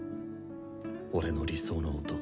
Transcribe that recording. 俺の理想の音。